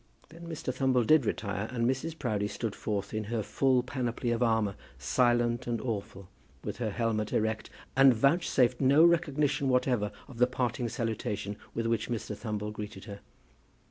Then Mr. Thumble did retire, and Mrs. Proudie stood forth in her full panoply of armour, silent and awful, with her helmet erect, and vouchsafed no recognition whatever of the parting salutation with which Mr. Thumble greeted her.